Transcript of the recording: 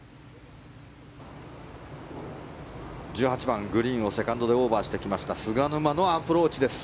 １８番、グリーンをセカンドでオーバーしてきました菅沼のアプローチです。